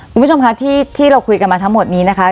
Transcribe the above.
คุณผู้ชมคะที่เราคุยกันมาทั้งหมดนี้นะคะ